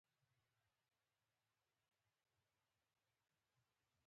د قرآن تلاوت مه پرېږده.